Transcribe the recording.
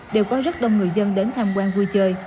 đều có rất đông người dân đến tham quan vui chơi